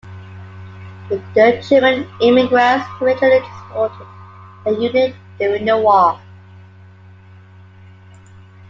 The German immigrants generally supported the Union during the war.